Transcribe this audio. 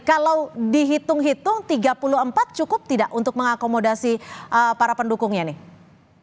kalau dihitung hitung tiga puluh empat cukup tidak untuk mengakomodasi para pendukungnya nih